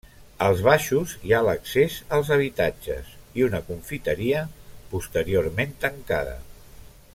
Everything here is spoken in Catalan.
Als baixos hi ha l'accés als habitatges i una confiteria, posteriorment tancada.